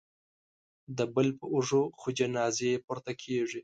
د بل په اوږو خو جنازې پورته کېږي